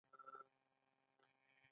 آیا دوی د خوندیتوب اصول نه ګوري؟